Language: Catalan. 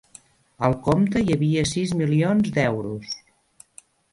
Al compte hi havia sis milions d'euros